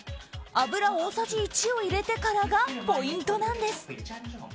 油大さじ１を入れてからがポイントなんです。